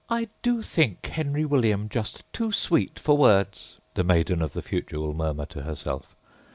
âI do think Henry William just too sweet for words,â the maiden of the future will murmur to herself.